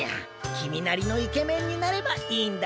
君なりのイケメンになればいいんだにゃ。